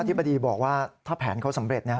ธิบดีบอกว่าถ้าแผนเขาสำเร็จ